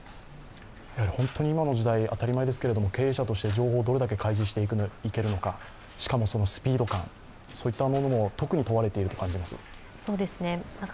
本当に今の時代、当たり前ですけど、経営者として、どれだけ情報を開示していけるのかしかもそのスピード感も特に問われていると感じます。